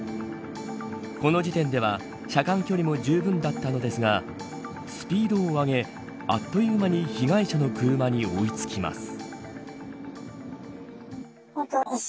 この時点では、車間距離もじゅうぶんだったのですがスピードを上げ、あっという間に被害者の車に追いつきます。